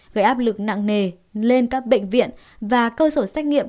gây áp lực nặng nề lên các bệnh viện và cơ sở xét nghiệm